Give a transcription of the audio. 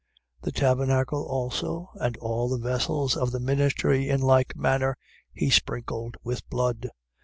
9:21. The tabernacle also and all the vessels of the ministry, in like manner, he sprinkled with blood.